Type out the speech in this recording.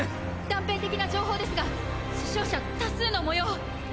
断片的な情報ですが死傷者多数の模様！